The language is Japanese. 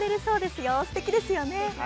すてきですよね。